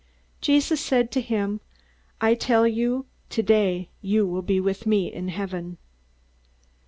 Jesus said to him, "I tell you, today you will be with me in heaven."